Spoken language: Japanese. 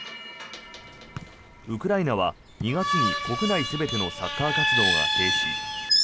ウクライナは２月に国内全てのサッカー活動が停止。